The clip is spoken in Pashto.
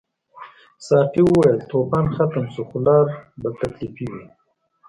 ساقي وویل طوفان ختم شو خو لار به تکلیفي وي.